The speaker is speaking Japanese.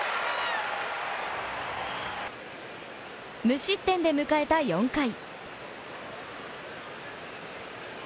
無失点で迎えた４回。